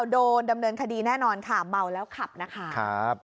โดนดำเนินคดีแน่นอนค่ะเมาแล้วขับนะคะ